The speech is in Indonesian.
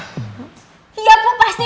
selesai baru boleh beresnya